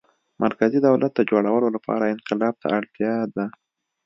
مرکزي دولت د جوړولو لپاره انقلاب ته اړتیا ده.